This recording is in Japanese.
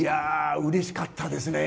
うれしかったですね。